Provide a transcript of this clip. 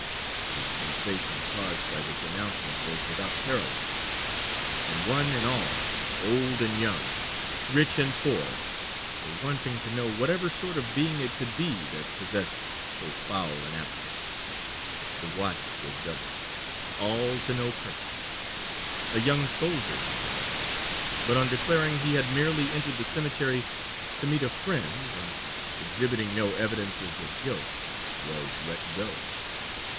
The sensation caused by this announcement was without parallel; and one and all, old and young, rich and poor, were wanting to know whatever sort of being it could be that possessed so foul an appetite. The watch was doubled; all to no purpose. A young soldier was arrested, but on declaring he had merely entered the cemetery to meet a friend, and exhibiting no evidences of guilt, was let go.